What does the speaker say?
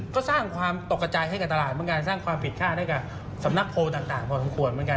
ก็สร้างความตกกระจายให้กับตลาดเหมือนกันสร้างความผิดค่าให้กับสำนักโพลต่างพอสมควรเหมือนกัน